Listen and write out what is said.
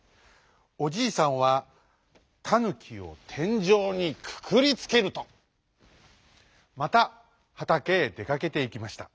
おじいさんはタヌキをてんじょうにくくりつけるとまたはたけへでかけていきました。